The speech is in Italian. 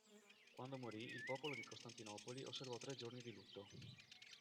Quando morì il popolo di Costantinopoli osservò tre giorni di lutto.